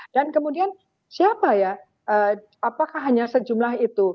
dan kemudian siapa ya apakah hanya sejumlah itu